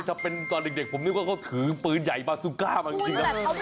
ถ้าเป็นตอนเด็กผมนึกว่าเขาถือปืนใหญ่บาซูก้ามาจริงนะ